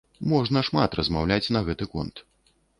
Можна шмат размаўляць на гэты конт.